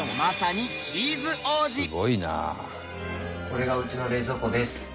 これがうちの冷蔵庫です。